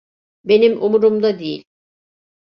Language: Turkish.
Benim umurumda değil.